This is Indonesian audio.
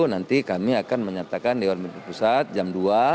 nanti kami akan menyatakan di orme pusat jam dua